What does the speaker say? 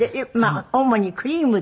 主にクリームで。